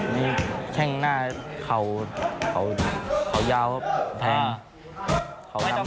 มีแข้งหน้าเข่าเข่ายาวเพราะแทง